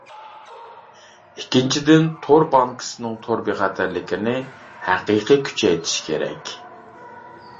ئىككىنچىدىن، تور بانكىسىنىڭ تور بىخەتەرلىكىنى ھەقىقىي كۈچەيتىش كېرەك.